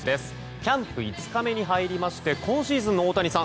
キャンプ５日目に入りまして今シーズンの大谷さん